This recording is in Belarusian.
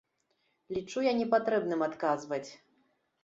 Лічу я непатрэбным адказваць!